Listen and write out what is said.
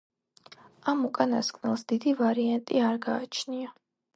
ამ უკანასკნელს დიდი ვარიანტი არ გააჩნია.